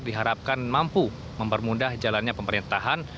diharapkan mampu mempermudah jalannya pemerintahan